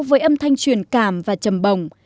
với âm thanh truyền cảm và trầm bồng